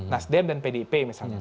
nasdelm dan pdip misalnya